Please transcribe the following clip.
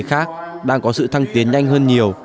khác đang có sự thăng tiến nhanh hơn nhiều